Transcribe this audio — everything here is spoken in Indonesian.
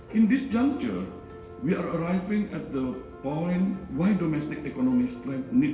pembicara tersebut berpengaruh menolong permintaan